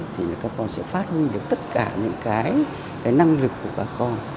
thì các con sẽ phát huy được tất cả những cái năng lực của các con